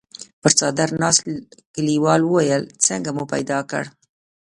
پر څادر ناست کليوال وويل: څنګه مو پيدا کړ؟